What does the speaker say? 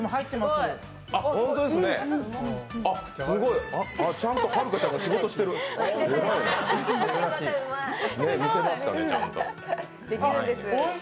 すごい、ちゃんとはるかちゃんが仕事してるえらい。